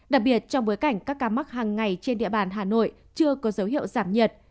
đặc biệt trong bối cảnh các ca mắc hàng ngày trên địa bàn hà nội chưa có dấu hiệu giảm nhiệt